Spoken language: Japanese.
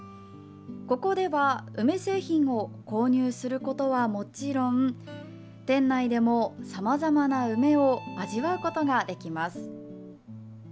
ここでは梅製品を購入することはもちろん店内でも、さまざまな梅を味わうことができます。